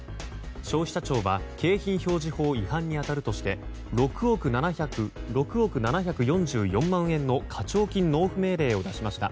消費者庁は景品表示法違反に当たるとして６億７４４万円の課徴金納付命令を出しました。